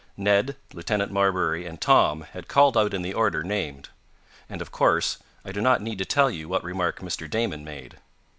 Ned, Lieutenant Marbury and Tom had called out in the order named. And, of course, I do not need to tell you what remark Mr. Damon made.